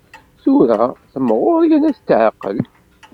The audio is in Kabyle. Tura temɣur yerna tetɛeqqel.